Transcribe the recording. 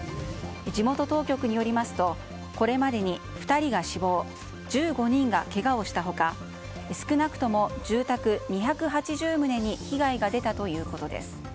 地元当局によりますとこれまでに２人が死亡１５人がけがをした他少なくとも住宅２８０棟に被害が出たということです。